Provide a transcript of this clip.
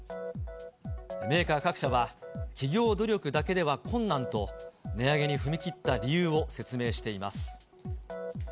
メーカー各社は、企業努力だけでは困難と、値上げに踏み切った理由を説明しています。